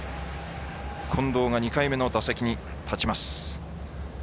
近藤が２回目の打席に立ちます。